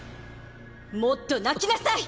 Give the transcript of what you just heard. もっと泣きなさい！